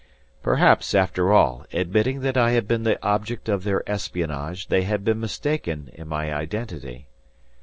Perhaps after all, admitting that I had been the object of their espionage, they had been mistaken in my identity.